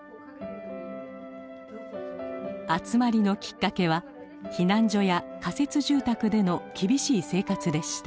集まりのきっかけは避難所や仮設住宅での厳しい生活でした。